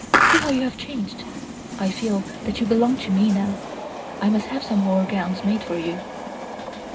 "See how you have changed. I feel that you belong to me now. I must have some more gowns made for you."